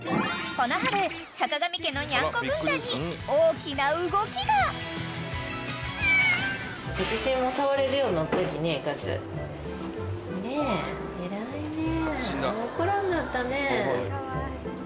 ［この春さかがみ家のニャンコ軍団に大きな動きが］ねえ偉いねえ。